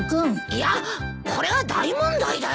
いやこれは大問題だよ。